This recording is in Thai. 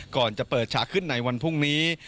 ก่อนจะเปิดฉากขึ้นในวันพรุ่งนี้